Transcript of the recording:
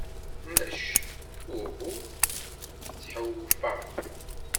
Nec uhu ttḥewwfeɣ.